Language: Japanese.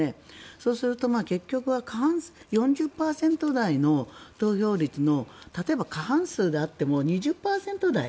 そうすると結局は４０％台の投票率の例えば、過半数であっても２０％台。